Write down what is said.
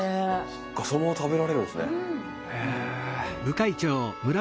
そっかそのまま食べられるんすね。